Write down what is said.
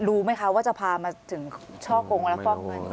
รู้ไหมคะว่าจะพามาถึงช่อกงลักฟัง